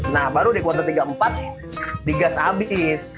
nah baru di kuartal tiga puluh empat digas habis